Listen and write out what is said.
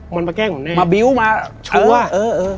มันมาแกล้งผมแน่